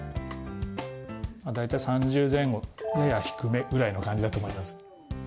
だいだい３０前後やや低めぐらいの感じだと思います。